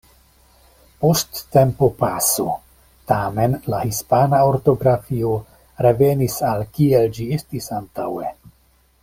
Post tempopaso, tamen, la hispana ortografio revenis al kiel ĝi estis antaŭe.